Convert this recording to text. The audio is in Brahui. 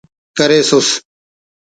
کریسس